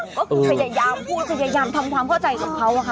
ก็คือพูดใจยามทำความเข้าใจกับเขาค่ะ